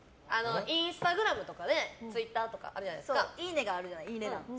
インスタグラムとかでツイッターとかあるじゃないですかいいねがあるじゃないですか。